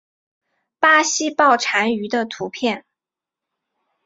巴西豹蟾鱼的图片